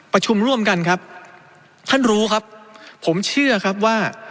ประชุมร่วมกันครับท่านรู้ครับผมเชื่อครับว่า